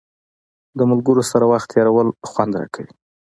د ملګرو سره وخت تېرول خوند راکوي.